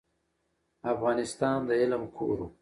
افغانستان د علم کور و.